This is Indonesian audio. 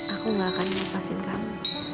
aku gak akan memfasit kamu